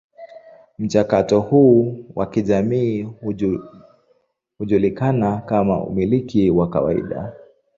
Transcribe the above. Mchakato huu wa kijamii hujulikana kama umiliki wa kawaida.